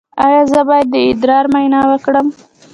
ایا زه باید د ادرار معاینه وکړم؟